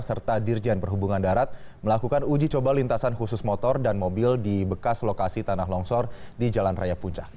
serta dirjen perhubungan darat melakukan uji coba lintasan khusus motor dan mobil di bekas lokasi tanah longsor di jalan raya puncak